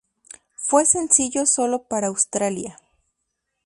Fue sencillo sólo para Australia.